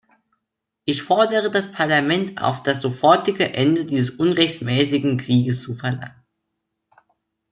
Ich fordere das Parlament auf, das sofortige Ende dieses unrechtmäßigen Krieges zu verlangen.